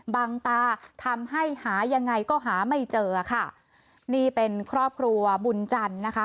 บังตาทำให้หายังไงก็หาไม่เจอค่ะนี่เป็นครอบครัวบุญจันทร์นะคะ